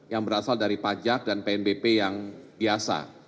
yang berasal dari pajak dan pnbp yang biasa